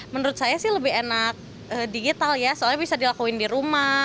menurut saya sih lebih enak digital ya soalnya bisa dilakuin di rumah